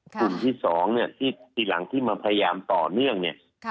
กลุ่มที่๒เนี่ยที่ทีหลังที่มาพยายามต่อเนื่องเนี่ย